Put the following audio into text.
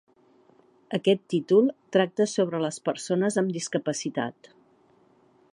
Aquest títol tracta sobre les persones amb discapacitat.